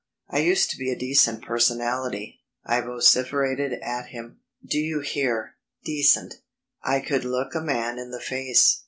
"I used to be a decent personality," I vociferated at him. "Do you hear decent. I could look a man in the face.